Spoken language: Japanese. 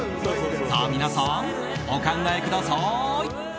皆さん、お考えください！